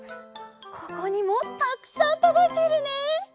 ここにもたくさんとどいているね。